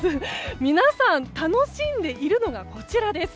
皆さん、楽しんでいるのがこちらです。